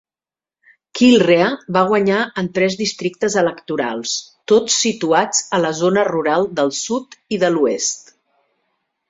Kilrea va guanyar en tres districtes electorals, tots situats a la zona rural del sud i de l'oest.